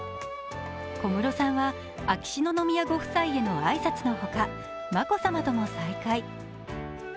小室さんは秋篠宮ご夫妻への挨拶のほか、眞子さまとも再会。